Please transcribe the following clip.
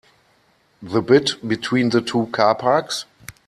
The bit between the two car parks?